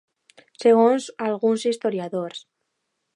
Segons alguns historiadors.